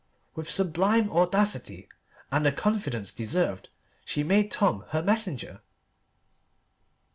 With sublime audacity and a confidence deserved she made Tom her messenger.